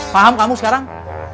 paham kamu sekarang